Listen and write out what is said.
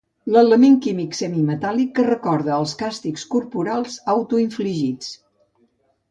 L'element químic semimetàl·lic que recorda els càstigs corporals autoinfligits.